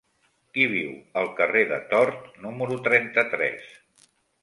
Qui viu al carrer de Tort número trenta-tres?